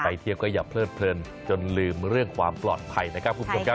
ไปเที่ยวก็อย่าเพลินจนลืมเรื่องความปลอดภัยนะครับ